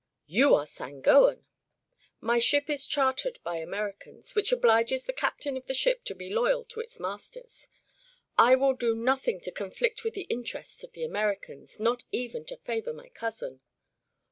"You are Sangoan." "My ship is chartered by Americans, which obliges the captain of the ship to be loyal to its masters. I will do nothing to conflict with the interests of the Americans, not even to favor my cousin."